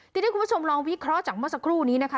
ทีนี้คุณผู้ชมลองวิเคราะห์จากเมื่อสักครู่นี้นะคะ